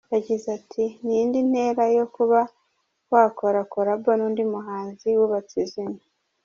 Yagize ati: "Ni indi ntera yo kuba wakorana collabo n'undi muhanzi wubatse izina.